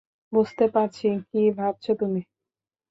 বুঝতে পারছি, কী ভাবছো তুমি।